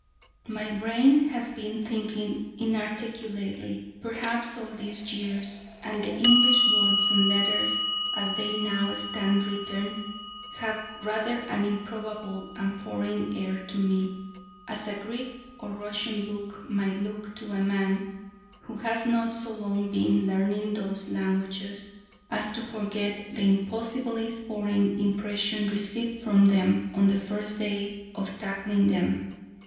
My brain has been thinking inarticulately perhaps, all these years: and the English words and letters, as they now stand written, have rather an improbable and foreign air to me, as a Greek or Russian book might look to a man who has not so long been learning those languages as to forget the impossibly foreign impression received from them on the first day of tackling them.